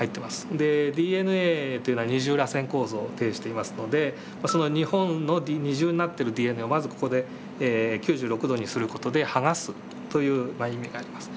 でＤＮＡっていうのは二重らせん構造を呈していますのでまあその２本の二重になっているＤＮＡをまずここで９６度にする事で剥がすという意味があります。